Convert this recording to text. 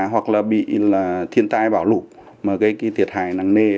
hoặc là bị thiên tai bảo lục gây thiệt hại năng nê